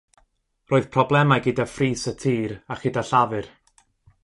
Roedd problemau gyda phris y tir a chyda llafur.